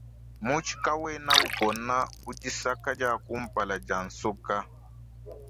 Mutshi kawena upona ku dikasa dia kumpala dia nsoka.